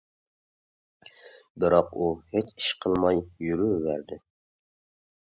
بىراق، ئۇ ھېچ ئىش قىلماي يۈرۈۋەردى.